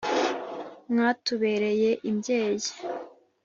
mwatubereye imbyeyi